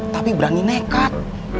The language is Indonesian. tapi berani nekat